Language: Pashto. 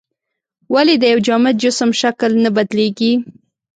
ولې د یو جامد جسم شکل نه بدلیږي؟